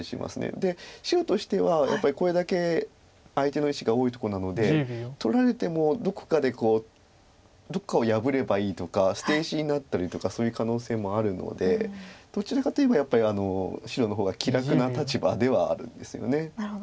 で白としてはやっぱりこれだけ相手の石が多いとこなので取られてもどこかでどっかを破ればいいとか捨て石になったりとかそういう可能性もあるのでどちらかといえばやっぱり白の方が気楽な立場ではあるんですよね。